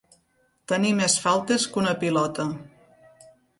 Tenir més faltes que una pilota.